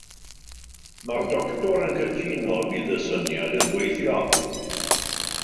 Mae'r doctor yn cytuno y bydd y syniad yn gweithio.